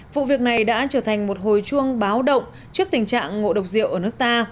vụ việc này đã trở thành một hồi chuông báo động trước tình trạng ngộ độc rượu ở nước ta